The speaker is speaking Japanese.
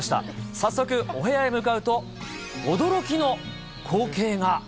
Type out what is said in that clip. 早速、お部屋へ向かうと、驚きの光景が。